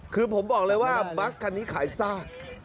คือผมบอกเลยว่าบัสคันนี้ขายซาก